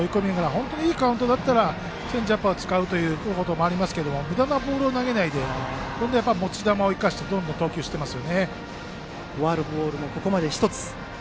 本当にいいカウントだったらチェンジアップを使うこともありますがむだなボールを投げないで持ち球を生かしてどんどん投球しています。